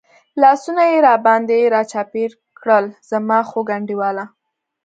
لاسونه یې را باندې را چاپېر کړل، زما خوږ انډیواله.